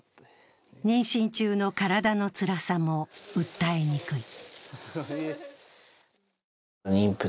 妊娠中の体のつらさも訴えにくい。